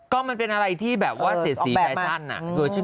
ก็มันเป็นอะไรที่แบบว่าเสียดสีแฟชั่นอะ